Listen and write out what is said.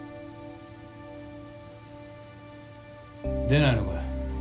出ないのかよ。